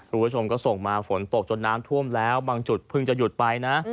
คุณผู้ชมก็ส่งมาฝนตกจนน้ำท่วมแล้วบางจุดเพิ่งจะหยุดไปนะ